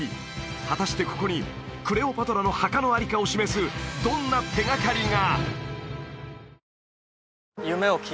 果たしてここにクレオパトラの墓の在りかを示すどんな手がかりが！？